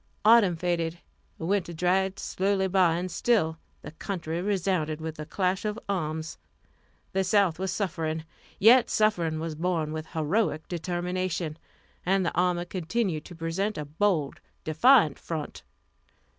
Autumn faded, winter dragged slowly by, and still the country resounded with the clash of arms. The South was suffering, yet suffering was borne with heroic determination, and the army continued to present a bold, defiant front.